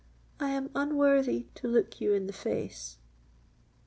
I am unworthy to look you in the face!"